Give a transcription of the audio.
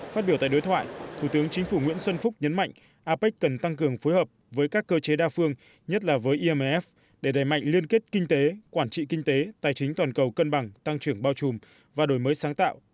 phát biểu tại đối thoại thủ tướng chính phủ nguyễn xuân phúc nhấn mạnh apec cần tăng cường phối hợp với các cơ chế đa phương nhất là với imf để đẩy mạnh liên kết kinh tế quản trị kinh tế tài chính toàn cầu cân bằng tăng trưởng bao trùm và đổi mới sáng tạo